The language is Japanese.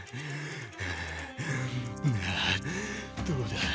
どうだ？